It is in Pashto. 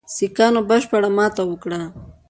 سیکهانو بشپړه ماته وکړه.